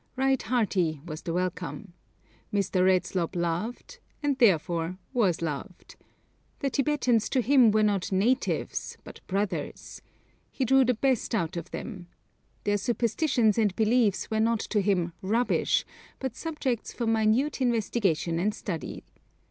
Right hearty was the welcome. Mr. Redslob loved, and therefore was loved. The Tibetans to him were not 'natives,' but brothers. He drew the best out of them. Their superstitions and beliefs were not to him 'rubbish,' but subjects for minute investigation and study.